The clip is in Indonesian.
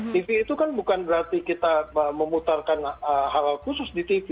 tv itu kan bukan berarti kita memutarkan hal hal khusus di tv